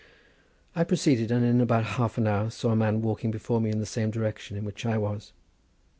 I proceeded, and in about half an hour saw a man walking before me in the same direction in which I was.